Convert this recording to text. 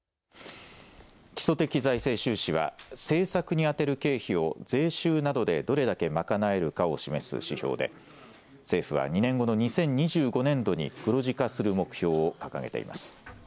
基礎的財政収支は政策に充てる経費を税収などでどれだけ賄えるかを示す指標で政府は２年後の２０２５年度に黒字化する目標を掲げています。